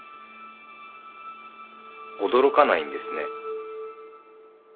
驚かないんですね。